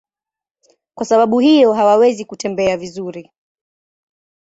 Kwa sababu hiyo hawawezi kutembea vizuri.